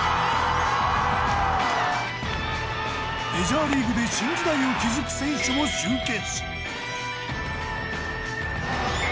メジャーリーグで新時代を築く選手も集結。